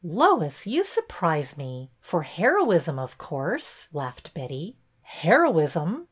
Lois, you surprise me. For heroism, of course," laughed Betty. Heroism